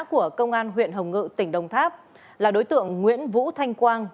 của công an huyện hồng ngự tỉnh đồng tháp là đối tượng nguyễn vũ thanh quang